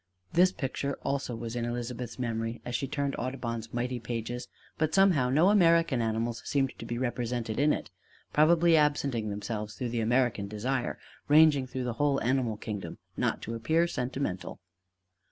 This picture also was in Elizabeth's memory as she turned Audubon's mighty pages; but somehow no American animals seemed to be represented in it: probably absenting themselves through the American desire ranging through the whole animal kingdom not to appear sentimental.